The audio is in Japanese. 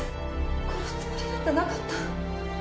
殺すつもりなんかなかった。